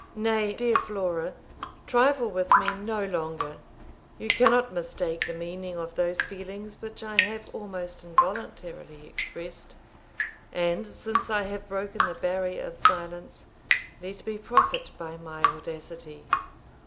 'Nay, dear Flora, trifle with me no longer; you cannot mistake the meaning of those feelings which I have almost involuntarily expressed; and since I have broken the barrier of silence, let me profit by my audacity.